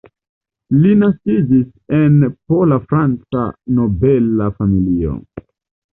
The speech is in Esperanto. Li naskiĝis en pola-franca nobela familio.